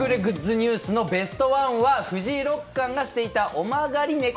ニュースのベスト１は藤井六冠がしていた尾曲がりねこ